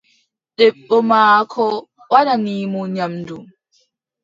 Debbo maako waddani mo nyamndu.